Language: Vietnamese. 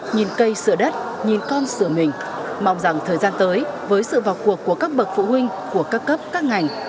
nhìn cây sửa đất nhìn con sửa mình mong rằng thời gian tới với sự vào cuộc của các bậc phụ huynh của các cấp các ngành